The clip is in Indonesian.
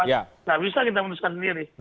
tidak bisa kita putuskan sendiri